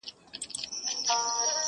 او بحثونه لا روان دي.